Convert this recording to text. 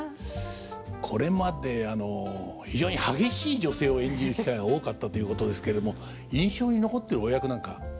これまで非常に激しい女性を演じる機会が多かったということですれけども印象に残ってるお役何かございます？